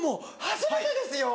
初めてですよ。